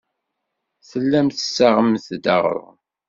Tellamt tessaɣemt-d aɣrum.